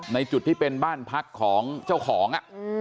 จุดที่เป็นบ้านพักของเจ้าของ